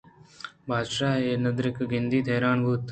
بادشاہ اے نِدارگ ءِ گِندگ ءَ حیران بُوت